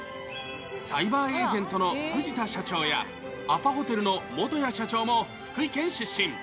サイバーエージェントの藤田社長や、アパホテルの元谷社長も福井県出身。